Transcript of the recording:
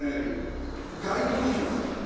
外国人が書いた。